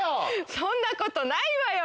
そんなことないわよ